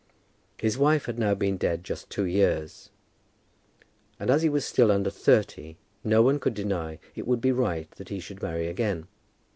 His wife had now been dead just two years, and as he was still under thirty, no one could deny it would be right that he should marry again.